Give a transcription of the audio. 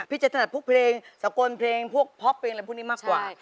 จะถนัดพวกเพลงสกลเพลงพวกพ็อปเพลงอะไรพวกนี้มากกว่า